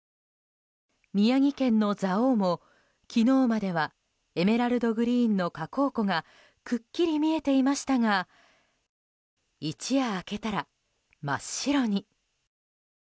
宮城県の蔵王も昨日まではエメラルドグリーンの火口湖がくっきり見えていましたが一夜明けたら真っ白に。